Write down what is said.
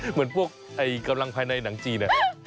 เหมือนพวกไหก๋ดังในหนังจีน